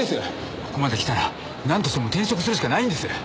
ここまできたらなんとしても転職するしかないんです！